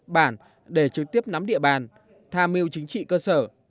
bản để trực tiếp nắm địa bàn tham mưu chính trị cơ sở